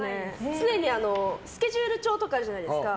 常にスケジュール帳とかあるじゃないですか。